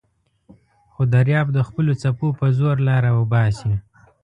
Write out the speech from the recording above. خو دریاب د خپلو څپو په زور لاره باسي.